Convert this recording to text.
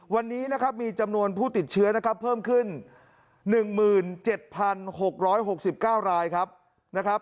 วันนี้นะครับมีจำนวนผู้ติดเชื้อนะครับเพิ่มขึ้น๑๗๖๖๙รายครับนะครับ